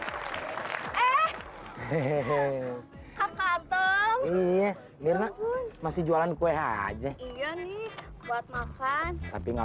kata kata iya mirna masih jualan kue aja iya nih buat makan tapi nggak